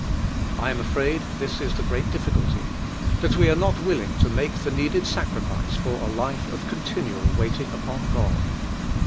I am afraid this is the great difficulty: that we are not willing to make the needed sacrifice for a life of continual waiting upon God.